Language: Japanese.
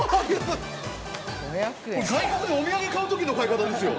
外国でお土産買うときの買い方ですよ。